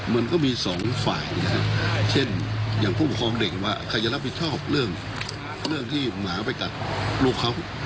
มันก็มี๒ฝ่ายอย่างพูดคล้องเด็กว่าค่าจะรับผิดทอบเรื่องที่หมาไปกัดลูกเขา